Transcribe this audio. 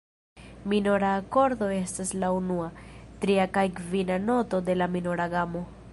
Minora akordo estas la unua, tria kaj kvina noto de la minora gamo.